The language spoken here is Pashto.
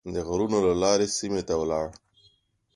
د غرونو له لارې سیمې ته ولاړ.